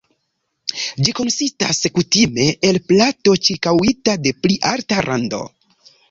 Ĝi konsistas kutime el plato ĉirkaŭita de pli alta rando.